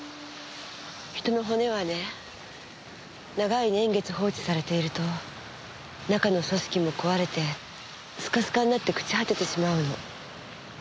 人の骨はね長い年月放置されていると中の組織も壊れてスカスカになって朽ち果ててしまうの。